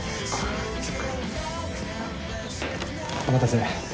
お待たせ。